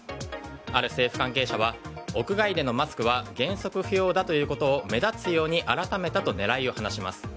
ある政府関係者は屋外でのマスクは原則不要ということを目立つように改めたと狙いを話します。